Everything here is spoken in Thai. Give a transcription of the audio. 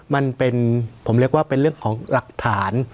มันเป็นผมเรียกว่าเป็นเรื่องของหลักฐาน